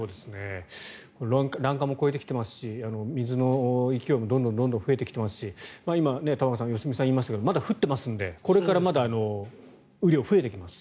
欄干も越えてきていますし水の勢いもどんどん増えてきていますし今、玉川さん良純さん言いましたけどまだ降ってますんでこれからまだ雨量が増えてきます。